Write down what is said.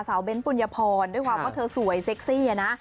เบ้นปุญญพรด้วยความว่าเธอสวยเซ็กซี่อะนะ